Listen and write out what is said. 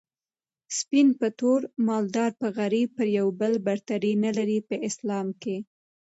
سپين په تور مالدار په غريب پر يو بل برتري نلري په اسلام کي